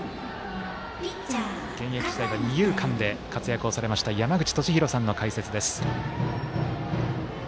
現役時代は二遊間で活躍をされました山口敏弘さんの解説です。